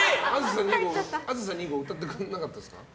「あずさ２号」歌ってくれなかったんですか？